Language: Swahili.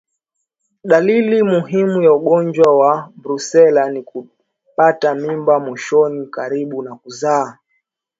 Dalili muhimu ya ugonjwa wa Brusela ni kutupa mimba mwishoni karibu na kuzaa